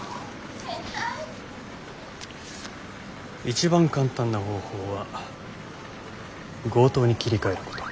一番簡単な方法は強盗に切り替えること。